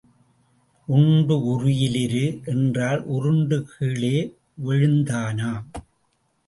உண்டு உறியில் இரு என்றால் உருண்டு கீழே விழுந்தானாம்.